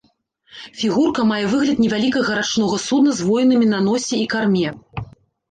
Фігурка мае выгляд невялікага рачнога судна з воінамі на носе і карме.